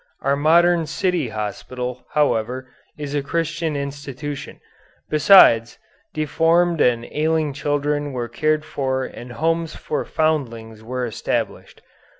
Our modern city hospital, however, is a Christian institution. Besides, deformed and ailing children were cared for and homes for foundlings were established.